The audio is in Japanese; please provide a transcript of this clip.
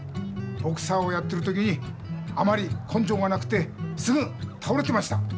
ボクサーをやってる時にあまりこんじょうがなくてすぐたおれてました。